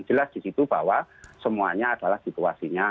jelas di situ bahwa semuanya adalah situasinya